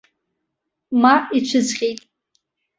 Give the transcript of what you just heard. Ма ицәыӡхьеит.